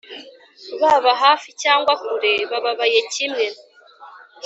Baba hafi cyangwa kure, bababaye kimwe,